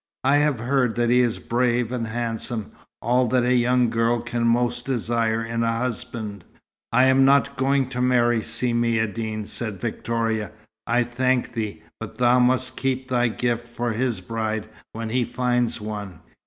I have heard that he is brave and handsome, all that a young girl can most desire in a husband." "I am not going to marry Si Maïeddine," said Victoria. "I thank thee; but thou must keep thy gift for his bride when he finds one."